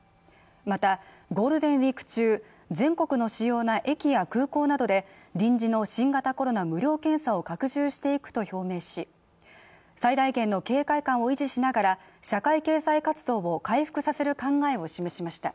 またゴールデンウイーク中、全国の主要な駅や空港などで臨時の新型コロナ無料検査を拡充していくと表明し最大限の警戒感を維持しながら社会経済活動を回復させる考えを示しました。